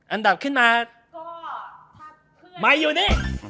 อันดับขึ้นมา